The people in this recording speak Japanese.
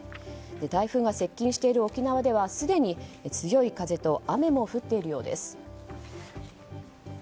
台風が接近している沖縄ではすでに強い風と雨も降っているようです。